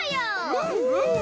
うんうん！